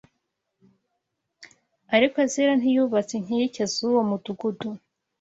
Ariko Ezira ntiyubatse inkike z’uwo mudugudu